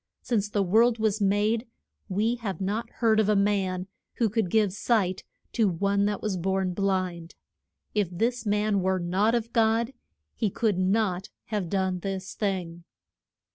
Since the world was made we have not heard of a man who could give sight to one that was born blind. If this man were not of God he could not have done this thing.